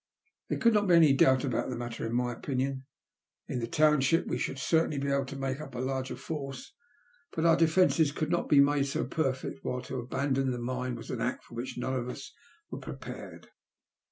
There could not be any doubt about the matter in my opinion. In the township we should certainly be able to make up a larger force, but our defences could not be made so perfect, while to abandon the mine was an act for which none of us were prepared.